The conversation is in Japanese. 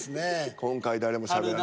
今回誰もしゃべらない。